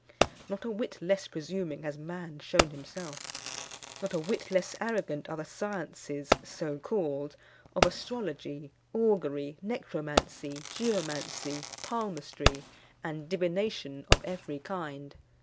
Not a whit less presuming has man shewn himself; not a whit less arrogant are the sciences, so called, of astrology, augury, necromancy, geomancy, palmistry, and divination of every kind.